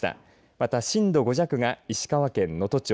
また震度５弱が石川県能登町